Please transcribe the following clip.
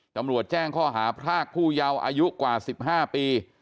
ตำรวจแจ้งข้อหาพรากผู้เยาว์อายุกว่า๑๕ปี